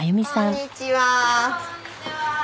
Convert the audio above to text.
こんにちは。